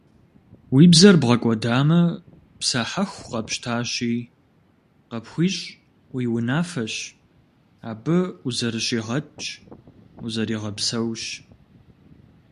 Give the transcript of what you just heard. Уи бзэр бгъэкӀуэдамэ, псэ хьэху къэпщтащи, къыпхуищӀ уи унафэщ, абы узэрыщигъэтщ, узэригъэпсэущ.